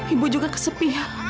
ibu juga kesepian